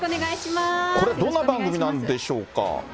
これ、どんな番組なんでしょ